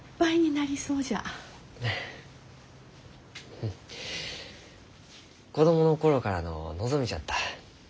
うん子供の頃からの望みじゃった。